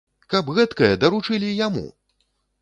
Каб гэткае даручылі яму!